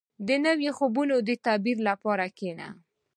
• د نوي خوب د تعبیر لپاره کښېنه.